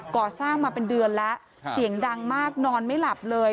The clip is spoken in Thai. ก่อสร้างมาเป็นเดือนแล้วเสียงดังมากนอนไม่หลับเลย